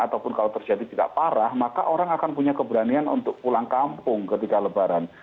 ataupun kalau terjadi tidak parah maka orang akan punya keberanian untuk pulang kampung ketika lebaran